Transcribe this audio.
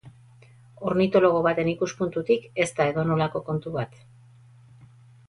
Ornitologo baten ikuspuntutik, ez da edonolako kontu bat.